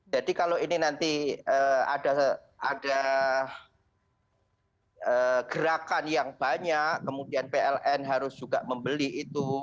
jadi kalau ini nanti ada gerakan yang banyak kemudian pln harus juga membeli itu